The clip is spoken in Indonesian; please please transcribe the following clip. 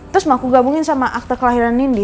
terus mau aku gabungin sama akte kelahiran nindi